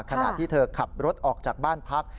ขณะที่เธอขับรถออกจากบ้านพัก